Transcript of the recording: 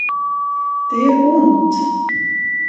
Det gör ont!